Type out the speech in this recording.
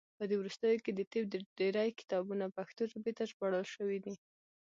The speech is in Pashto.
په دې وروستیو کې د طب ډیری کتابونه پښتو ژبې ته ژباړل شوي دي.